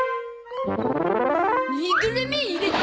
ぬいぐるみ入れて。